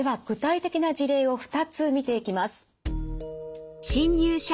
具体的な事例を２つ見ていきます。